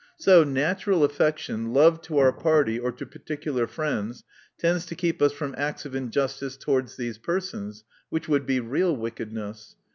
So, natural affection, love to our party, or to particular friends, tends to keep us from acts of injustice towards these persons : which would be real wicked ness.